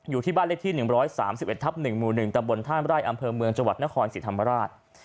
อยู่ที่บ้านเลขที่๑๓๑ทับ๑หมู่๑ตำบลท่ามไร่อำเภอเมืองจังหวัดนครศรีธรรมราช